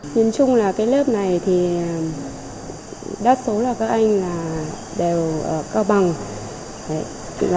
nhân chung là cái lớp này thì đa số là các anh đều cao bằng